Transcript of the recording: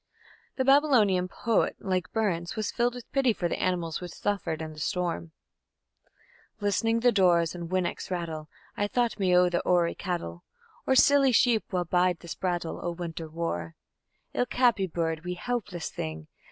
_ The Babylonian poet, like Burns, was filled with pity for the animals which suffered in the storm: List'ning the doors an' winnocks rattle, I thought me o' the ourie cattle, Or silly sheep, wha bide this brattle O' winter war.... Ilk happing bird, wee, helpless thing!